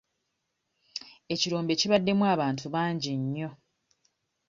Ekirombe kibaddemu abantu bangi nnyo.